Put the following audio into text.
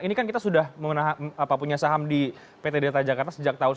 ini kan kita sudah punya saham di pt delta jakarta sejak tahun seribu sembilan ratus sembilan puluh